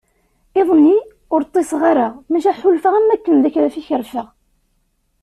Iḍ-nni, ur ṭṭiseɣ ara maca ḥulfaɣ am wakken d akraf i kerfeɣ.